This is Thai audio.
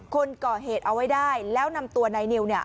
คนก่อเหตุเอาไว้ได้แล้วนำตัวนายนิวเนี่ย